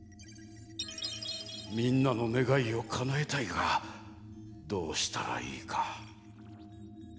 みんなのねがいをかなえたいがどうしたらいいか。